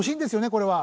これは。